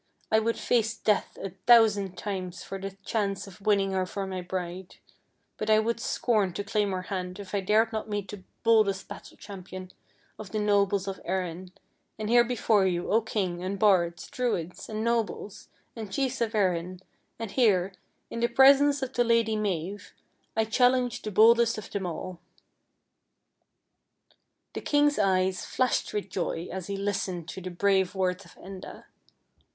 I would face death a thousand times for the chance of winning her for my bride; but I would scorn to claim her hand if I dared not meet the boldest battle champion of the nobles of Erin, and here before you, O king, and bards, Druids, and nobles, and chiefs of Erin, and here, in the presence of the Lady Mave, I chal lenge the boldest of them all." The king's eyes flashed with joy as he listened to the brave words of Enda.